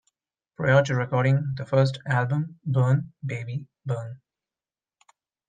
Prior to recording the first album, Burn, Baby, Burn!